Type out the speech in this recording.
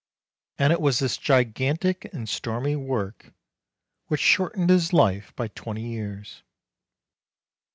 And it was this gigantic and stormy work which shortened his life by twenty years.